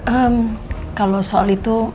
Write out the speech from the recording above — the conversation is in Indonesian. ehm kalau soal itu